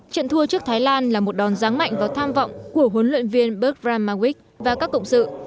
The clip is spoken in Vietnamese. trận thua trước thái lan là một đòn ráng mạnh và tham vọng của huấn luyện viên berg radmawik và các cộng sự